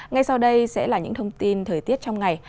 ngay sau đây sẽ là những thông tin thời tiết trong ngày